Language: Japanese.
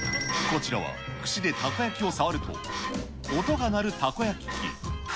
こちらは、串でたこ焼きを触ると、音が鳴るたこ焼き器。